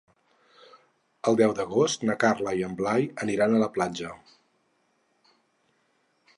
El deu d'agost na Carla i en Blai aniran a la platja.